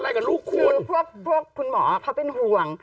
กลับบ้านแล้วเสร็จแล้ว